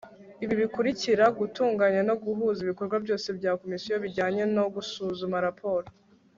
ibi bikurikira gutunganya no guhuza ibikorwa byose bya Komisiyo bijyanye no gusuzuma raporo